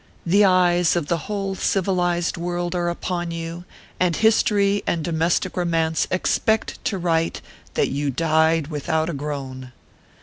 The eyes of the whole civilized world are upon you, and History and Do mestic Romance expect to write that you died with out a groan."